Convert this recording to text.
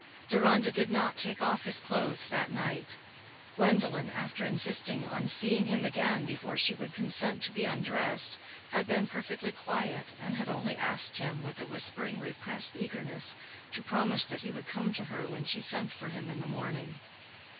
Deronda did not take off his clothes that night. Gwendolen, after insisting on seeing him again before she would consent to be undressed, had been perfectly quiet, and had only asked him, with a whispering, repressed eagerness, to promise that he would come to her when she sent for him in the morning.